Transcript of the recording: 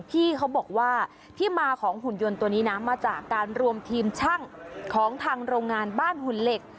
พี่เขาบอกว่าที่มาของหุ่นยนต์ตัวนี้นะมาจากการรวมทีมช่างของทางโรงงานบ้านหุ่นเหล็ก